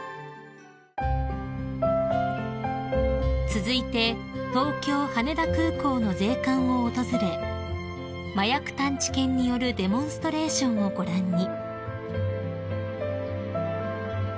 ［続いて東京羽田空港の税関を訪れ麻薬探知犬によるデモンストレーションをご覧に］